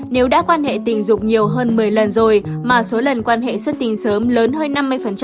nếu đã quan hệ tình dục nhiều hơn một mươi lần rồi mà số lần quan hệ xuất tinh sớm lớn hơn năm mươi